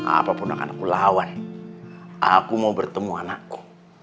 apapun akan aku lawan aku mau bertemu anakku